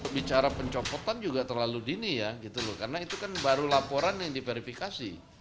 bicara pencopotan juga terlalu dini ya gitu loh karena itu kan baru laporan yang diverifikasi